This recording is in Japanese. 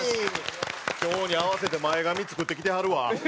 今日に合わせて前髪作ってきてはるわ。